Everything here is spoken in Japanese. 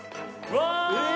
うわ！